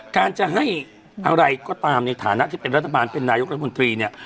การจะให้อะไรต่างในถามของนายกรปกรมตรีเนี่ย